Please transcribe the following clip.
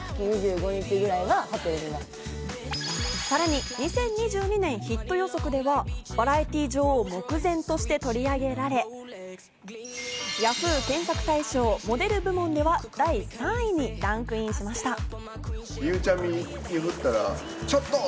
さらに２０２２年ヒット予測ではバラエティー女王、目前としてとり上げられ、Ｙａｈｏｏ！検索大賞をモデル部門では第３位にランクインしました。